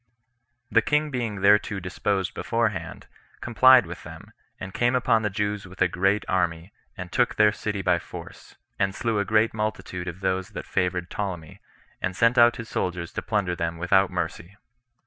The king being thereto disposed beforehand, complied with them, and came upon the Jews with a great army, and took their city by force, and slew a great multitude of those that favored Ptolemy, and sent out his soldiers to plunder them without mercy.